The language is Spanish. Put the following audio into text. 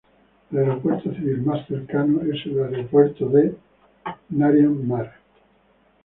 El aeropuerto civil más cercano es el aeropuerto de Narian-Mar.